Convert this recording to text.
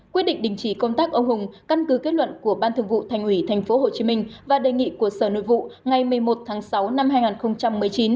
quyết định đình chỉ công tác ông hùng căn cứ kết luận của ban thường vụ thành ủy tp hcm và đề nghị của sở nội vụ ngày một mươi một tháng sáu năm hai nghìn một mươi chín